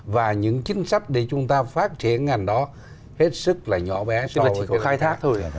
và những chính sách để chúng ta phát triển ngành đó hết sức là nhỏ bé so với cái khai thác